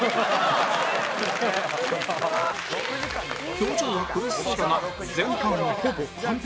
表情は苦しそうだが前半ほぼ完璧